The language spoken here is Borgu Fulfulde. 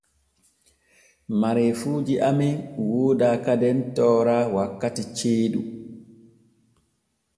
Mareefuuji amen wooda kadem toora wakkiti jeeɗu.